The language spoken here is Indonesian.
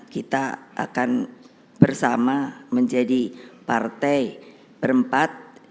kita akan bersama menjadi partai berempat